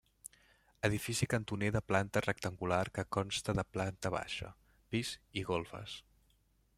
Edifici cantoner de planta rectangular que consta de planta baixa, pis i golfes.